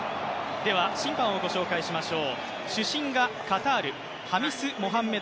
審判をご紹介しましょう。